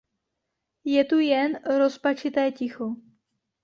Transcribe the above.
Je tu jen rozpačité ticho.